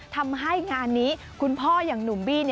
ทำให้งานนี้คุณพ่ออย่างหนุ่มบี้